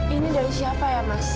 ini dari siapa ya mas